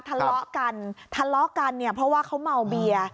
ทะเลาะกันทะเลาะกันเนี่ยเพราะว่าเขาเมาเบียร์